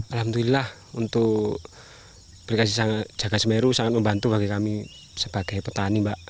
alhamdulillah untuk aplikasi jaga semeru sangat membantu bagi kami sebagai petani mbak